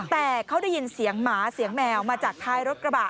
แต่เขาได้ยินเสียงหมาเสียงแมวมาจากท้ายรถกระบะ